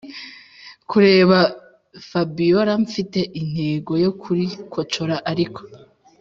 kureba fabiora mfite intego yo kurikocora ariko